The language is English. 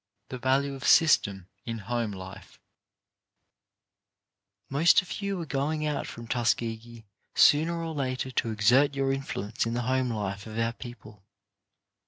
THE VALUE OF SYSTEM IN HOME LIFE Most of you are going out from Tuskegee sooner or later to exert your influence in the home life of our people.